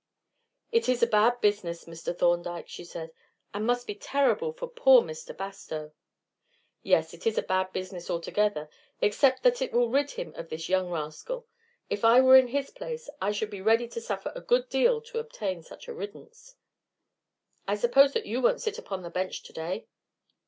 "It is a bad business, Mr. Thorndyke," she said, "and must be terrible for poor Mr. Bastow." "Yes, it is a bad business altogether, except that it will rid him of this young rascal. If I were in his place I should be ready to suffer a good deal to obtain such a riddance." "I suppose that you won't sit upon the bench today?"